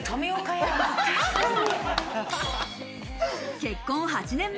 結婚８年目。